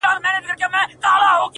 له سالو سره به څوك ستايي اورونه-